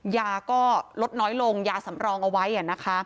ยาก็ลดน้อยลงยาสำรองเอาไว้นะคะ